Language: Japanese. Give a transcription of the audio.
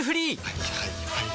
はいはいはいはい。